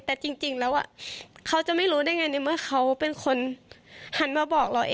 แต่จริงแล้วเขาจะไม่รู้ได้ไงในเมื่อเขาเป็นคนหันมาบอกเรา